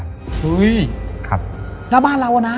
ยืนกันเต็มหน้าบ้านเลยครับ